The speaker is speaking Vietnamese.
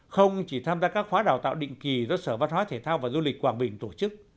không chỉ tham gia các khóa đào tạo định kỳ do sở văn hóa thể thao và du lịch quảng bình tổ chức